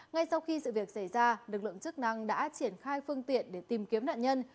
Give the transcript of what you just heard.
ngay sau khi sự việc xảy ra lực lượng chức năng đã triển khai phương tiện để tìm kiếm nạn nhân